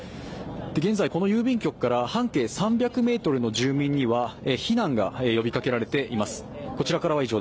現在、この郵便局から半径３００ｍの住民には避難が呼びかけられています。